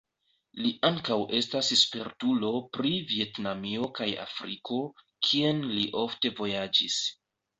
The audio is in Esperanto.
Li ankaŭ estas spertulo pri Vjetnamio kaj Afriko, kien li ofte vojaĝis.